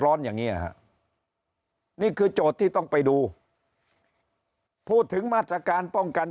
อย่างนี้ฮะนี่คือโจทย์ที่ต้องไปดูพูดถึงมาตรการป้องกัน